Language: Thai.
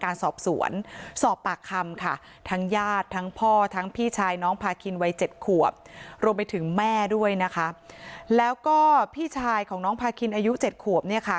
รวมไปถึงแม่ด้วยนะคะแล้วก็พี่ชายของน้องพาคินอายุ๗ขวบเนี่ยค่ะ